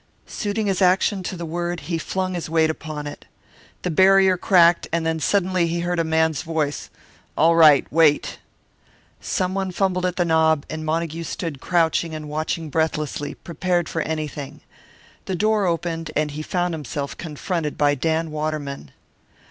Suiting his action to the word, he flung his weight upon it. The barrier cracked; and then suddenly he heard a man's voice. "All right. Wait." Someone fumbled at the knob; and Montague stood crouching and watching breathlessly, prepared for anything. The door opened, and he found himself confronted by Dan Waterman.